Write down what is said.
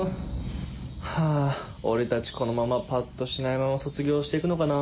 はぁ俺たちこのままぱっとしないまま卒業して行くのかな。